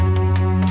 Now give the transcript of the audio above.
udah ikut aja